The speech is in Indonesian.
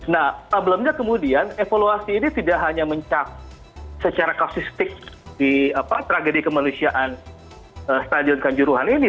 nah problemnya kemudian evaluasi ini tidak hanya mencak secara kausistik di tragedi kemanusiaan stadion kanjuruhan ini